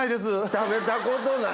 食べたことない。